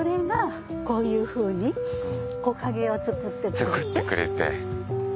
作ってくれて。